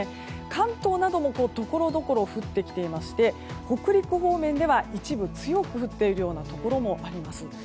関東などもところどころ降ってきていまして北陸方面では一部強く降っているようなところもあるんです。